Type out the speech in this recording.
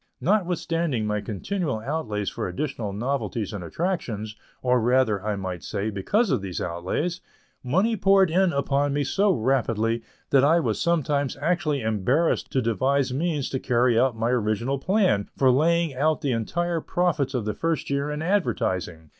Notwithstanding my continual outlays for additional novelties and attractions, or rather I might say, because of these outlays, money poured in upon me so rapidly that I was sometimes actually embarrassed to devise means to carry out my original plan for laying out the entire profits of the first year in advertising.